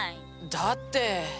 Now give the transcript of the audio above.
だって。